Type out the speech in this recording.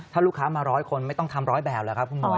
ถ้าลูกค้ามาร้อยคนไม่ต้องทำร้อยแบบแล้วครับคุณมวย